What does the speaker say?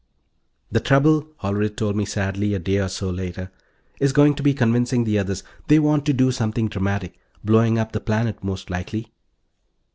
"The trouble," Hollerith told me sadly, a day or so later, "is going to be convincing the others. They want to do something dramatic blowing up the planet, most likely."